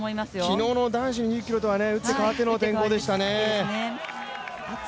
昨日の男子２０ｋｍとは打って変わっての天候でしたね。